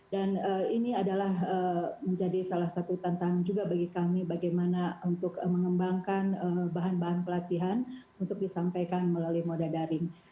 dan ini adalah menjadi salah satu tantangan juga bagi kami bagaimana untuk mengembangkan bahan bahan pelatihan untuk disampaikan melalui moda daring